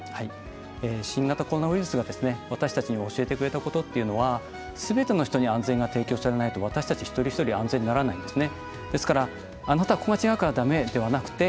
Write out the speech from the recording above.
新型コロナウイルスが私たちに教えてくれたことというのはすべての人に安全が提供されないと私たち一人一人安全にならないんですね。